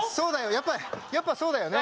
やっぱりやっぱそうだよね。